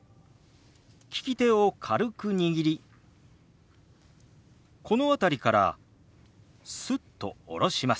利き手を軽く握りこの辺りからスッと下ろします。